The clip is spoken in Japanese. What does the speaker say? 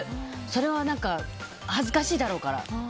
それは、恥ずかしいだろうから。